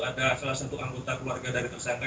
ada salah satu anggota keluarga dari tersangka